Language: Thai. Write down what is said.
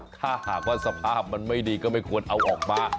ถ้าหากว่าสภาพมันไม่ดีก็ไม่ควรเอาออกมา